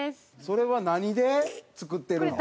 それは何で作ってるの？